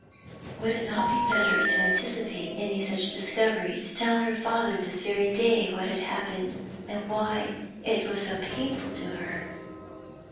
Would it not be better to anticipate any such discovery, to tell her father this very day what had happened and why it was so painful to her?